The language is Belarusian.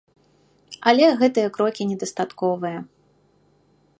Але гэтыя крокі недастатковыя.